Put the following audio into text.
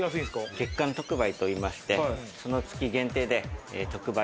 月間特売といって、その月限定の特売。